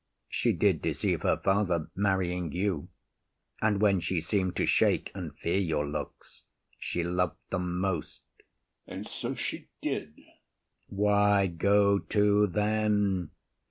She did deceive her father, marrying you; And when she seem’d to shake and fear your looks, She loved them most. OTHELLO. And so she did. IAGO. Why, go to then.